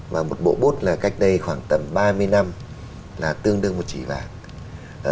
và một bộ bút là cách đây khoảng tầm ba mươi năm là tương đương một chỉ vàng